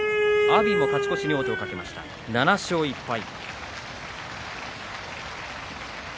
阿炎も勝ち越しに王手をかけました７勝１敗。